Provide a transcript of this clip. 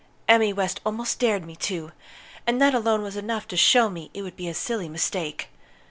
Emmy West almost dared me to! And that alone was enough to show me it would be a silly mistake.